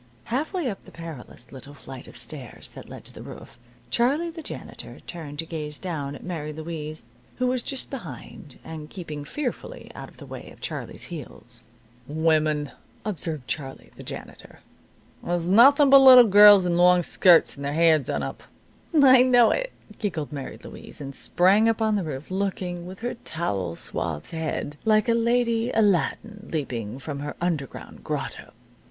Half way up the perilous little flight of stairs that led to the roof, Charlie, the janitor, turned to gaze down at Mary Louise, who was just behind, and keeping fearfully out of the way of Charlie's heels. "Wimmin," observed Charlie, the janitor, "is nothin' but little girls in long skirts, and their hair done up." "I know it," giggled Mary Louise, and sprang up on the roof, looking, with her towel swathed head, like a lady Aladdin leaping from her underground grotto.